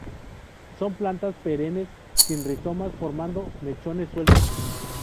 Son plantas perennes, sin rizomas, formando mechones sueltos.